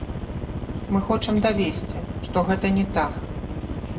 Мы хочам давесці, што гэта не так.